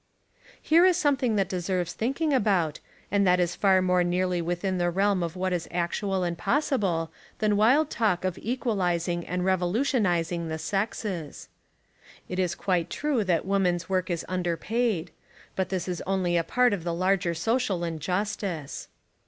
Here is something that deserves thinking about and that is far more nearly within the realm of what is actual and possible than wild talk of equalising and revolutionising the sexes. 155 Essays and Literary Studies It is quite true that women's work is un derpaid. But this is only a part of a larger so cial injustice.